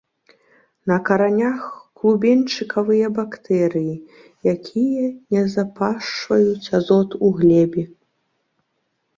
На каранях клубеньчыкавыя бактэрыі, якія назапашваюць азот у глебе.